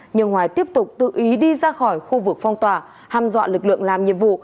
nhưng hoài tiếp tục tự ý đi ra khỏi khu vực phong tỏa ham dọa lực lượng làm nhiệm vụ